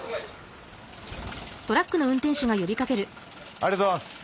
ありがとうございます。